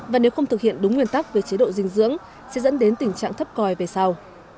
và nếu không thực hiện đúng nguyên tắc về chế độ dinh dưỡng sẽ dẫn đến tình trạng thấp coi về sau